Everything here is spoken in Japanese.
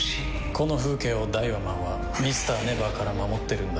この風景をダイワマンはＭｒ．ＮＥＶＥＲから守ってるんだ。